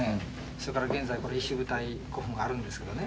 それから現在これ石舞台古墳があるんですけどね